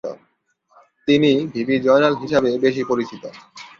তিনি ভিপি জয়নাল হিসাবে বেশি পরিচিত।